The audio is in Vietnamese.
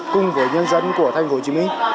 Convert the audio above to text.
cùng với nhân dân của thành phố hồ chí minh